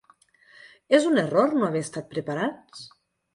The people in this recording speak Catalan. És un error no haver estat preparats?